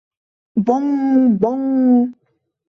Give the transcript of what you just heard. Боҥ-боҥ...